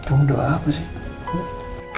kau mau doa apa sih